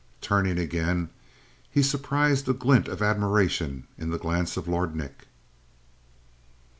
Turning again, he surprised a glint of admiration in the glance of Lord Nick.